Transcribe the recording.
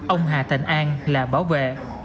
ông hà thành an là bảo vệ